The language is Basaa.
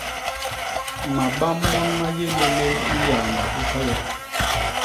Mabam mon ma yé lélél i nyaañga u Kaya.